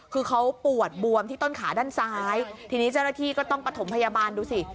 คือเขาปวดบวมที่ต้นขาด้านซ้ายทีนี้เจ้าหน้าที่ก็ต้องประถมพยาบาลดูสิ